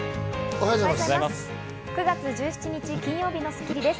おはようございます。